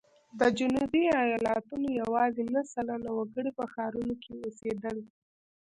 د جنوبي ایالتونو یوازې نهه سلنه وګړي په ښارونو کې اوسېدل.